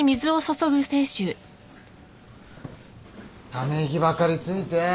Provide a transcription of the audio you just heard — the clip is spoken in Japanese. ため息ばっかりついて。